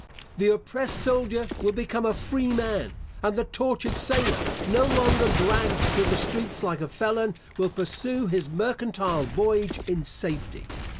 The oppressed soldier will become a freeman; and the tortured sailor, no longer dragged through the streets like a felon, will pursue his mercantile voyage in safety.